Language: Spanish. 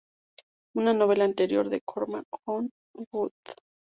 Una novela anterior de Corman, "Oh, God!